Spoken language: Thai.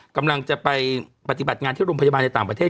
กำลังจะไปปฏิบัติงานที่โรงพยาบาลในต่างประเทศ